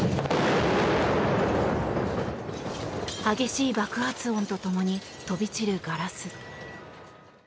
激しい爆発音とともに飛び散るガラス。